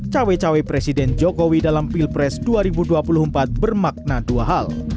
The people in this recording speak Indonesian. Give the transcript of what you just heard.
cawe cawe presiden jokowi dalam pilpres dua ribu dua puluh empat bermakna dua hal